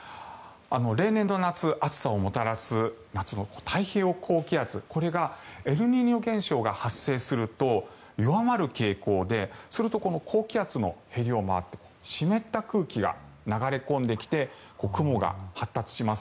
例年の夏、暑さをもたらす夏の太平洋高気圧これがエルニーニョ現象が発生すると弱まる傾向でそれと、高気圧のへりを回って湿った空気が流れ込んできて雲が発達します。